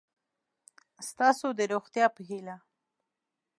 ستاسو د روغتیا په هیله